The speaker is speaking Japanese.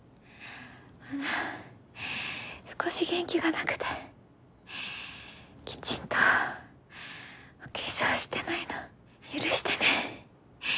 少し元気がなくてきちんとお化粧してないの許してね。